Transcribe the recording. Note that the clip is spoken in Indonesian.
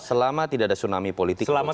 selama tidak ada tsunami politik